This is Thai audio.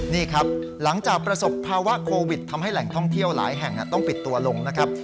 นี่ครับหลังจากประสบภาวะโควิดทำให้แหล่งท่องเที่ยวหลายแห่งต้องปิดตัวลงนะครับ